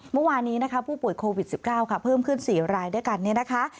เมื่อวานนี้นะคะผู้ป่วยโควิด๑๙ค่ะเพิ่มขึ้น๔รายด้วยกันเนี่ยนะคะ